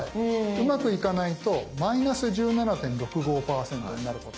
うまくいかないと「−１７．６５％」になることもある。